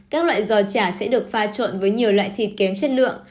các loại giò chả sẽ được pha trộn với nhiều loại thịt kém chất lượng